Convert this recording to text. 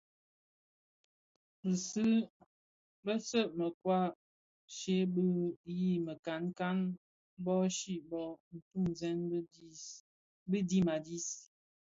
Betceu mekoai chi bé yii mikankan, bố chi bộ, ntuňzèn di dhim a dis,